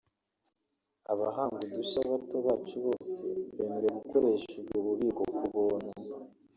Abahanga udushya bato bacu bose bemerewe gukoresha ubwo bubiko ku buntu